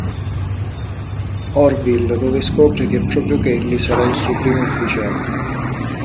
Orville, dove scopre che proprio Kelly sarà il suo Primo Ufficiale.